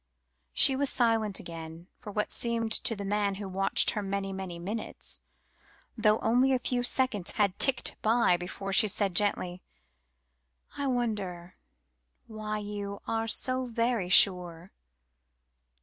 She was silent again, for what seemed to the man who watched her many, many minutes, though only a few seconds had ticked by, before she said gently "I wonder why you are so very sure?"